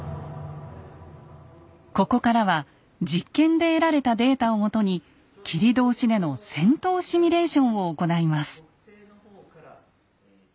ここからは実験で得られたデータをもとに切通での戦闘シミュレーションを行います。